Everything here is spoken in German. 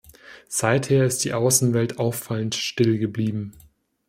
Seither ist die Außenwelt auffallend still geblieben.